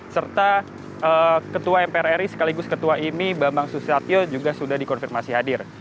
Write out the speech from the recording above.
serta ketua mprri sekaligus ketua ini bambang susatyo juga sudah dikonfirmasi hadir